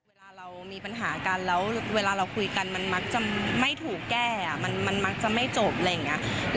เวลาเรามีปัญหากันแล้วเวลาเราคุยกันมันมักจะไม่ถูกแก้มันมักจะไม่จบอะไรอย่างนี้